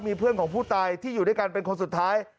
มีเพื่อนของผู้ตายที่อยู่ด้วยกันเป็นคนสุดท้าย